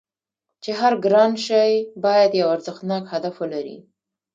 چې هر ګران شی باید یو ارزښتناک هدف ولري